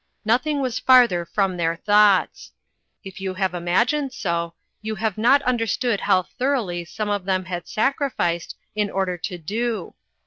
Nothing was farther from their thoughts. If you have imagined so, you have not understood how thoroughly some of them had sacrificed in order to do.